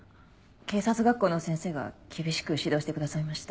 警察学校の先生が厳しく指導してくださいました。